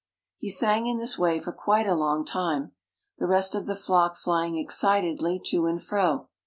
He sang in this way for quite a long while, the rest of the flock flying excitedly to and fro.